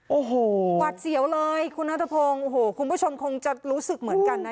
โอ้โหหวัดเสียวเลยคุณนัทพงศ์โอ้โหคุณผู้ชมคงจะรู้สึกเหมือนกันนะ